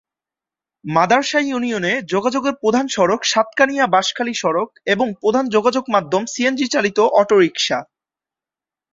মাদার্শা ইউনিয়নে যোগাযোগের প্রধান সড়ক সাতকানিয়া-বাঁশখালী সড়ক এবং প্রধান যোগাযোগ মাধ্যম সিএনজি চালিত অটোরিক্সা।